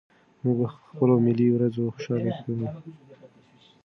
موږ په خپلو ملي ورځو خوشالي کوو.